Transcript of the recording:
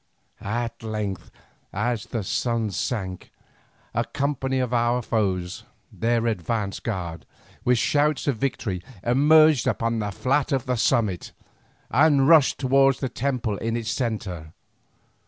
At length, as the sun sank, a company of our foes, their advance guard, with shouts of victory, emerged upon the flat summit, and rushed towards the temple in its centre.